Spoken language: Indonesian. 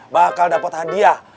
bakal dapat hadiah